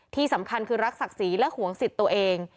ที่สำคัญคือรักศักดิ์ศรีและห่วงสิทธิ์ตัวเอง